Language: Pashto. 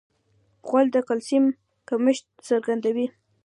غول د کلسیم کمښت څرګندوي.